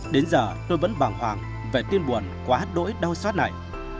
đến giờ tôi vẫn bàng hoàng về tim buồn quá đỗi đau xót này